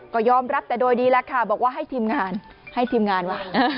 ก็ยอมรับแต่โดยดีแล้วค่ะบอกว่าให้ทีมงานให้ทีมงานว่ะ